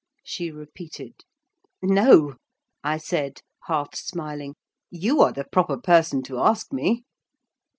she repeated. "No," I said, half smiling. "You are the proper person to ask me."